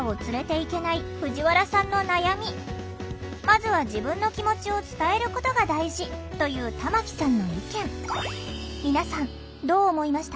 「まずは自分の気持ちを伝えることが大事」という玉木さんの意見。